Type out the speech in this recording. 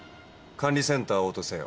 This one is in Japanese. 管理センター応答せよ。